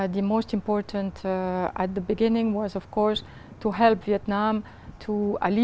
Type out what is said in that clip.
không chỉ từ